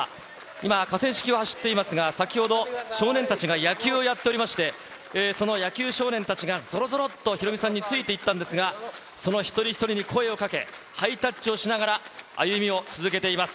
今、河川敷を走っていますが、先ほど少年たちが野球をやっておりまして、その野球少年たちがぞろぞろっとヒロミさんについていったんですが、その一人一人に声をかけ、ハイタッチをしながら歩みを続けています。